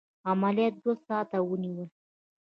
عملیات دوه ساعته ونیول.